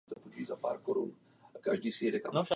Prezident Glory je můj otec.